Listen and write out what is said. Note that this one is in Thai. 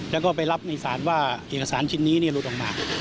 แล้วก็ไปรับในศาลว่าเอกสารชิ้นนี้หลุดออกมา